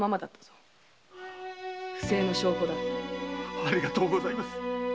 ありがとうございます。